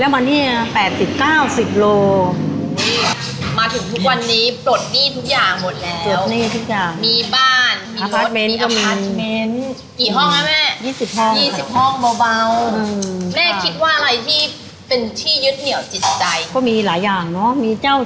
แล้วมาเนี้ยแปดสิบเก้าสิบโลอุ้ยมาถึงทุกวันนี้ตรวจหนี้ทุกอย่างหมดแล้ว